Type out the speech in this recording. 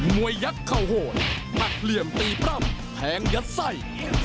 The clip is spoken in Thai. มวยยักษ์เข้าโหดผักเหลี่ยมตีปร่ำแพ้งยัดไส้